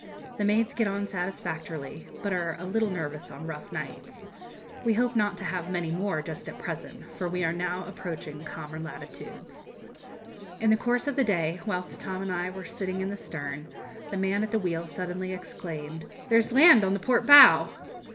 The maids get on satisfactorily, but are a little nervous on rough nights. We hope not to have many more just at present, for we are now approaching calmer latitudes. In the course of the day, whilst Tom and I were sitting in the stern, the man at the wheel suddenly exclaimed, 'There's land on the port bow.'